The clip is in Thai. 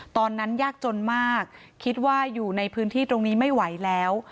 ตอนนั้นยากจนมากคิดว่าอยู่ในพื้นที่ตรงนี้ไม่ไหวแล้ว